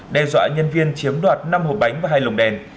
đe dọa nhân viên chiếm đoạt năm hộp bánh và hai lồng đèn